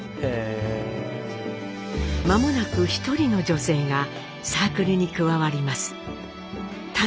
間もなく一人の女性がサークルに加わります。